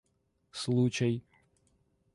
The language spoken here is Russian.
случай